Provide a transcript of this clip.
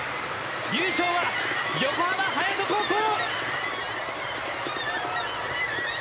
優勝は横浜隼人高校！